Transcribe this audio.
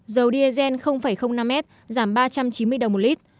dầu diesel năm m giảm ba trăm chín mươi đồng một lít